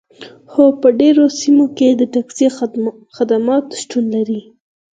هو په ډیرو سیمو کې د ټکسي خدمات شتون لري